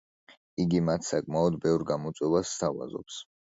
იგი მათ საკმაოდ ბევრ გამოწვევას სთავაზობს.